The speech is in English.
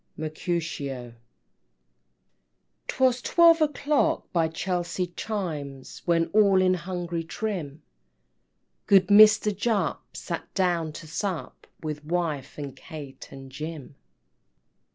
MERCUTIO I. 'Twas twelve o'clock by Chelsea chimes, When all in hungry trim, Good Mister Jupp sat down to sup With wife, and Kate, and Jim.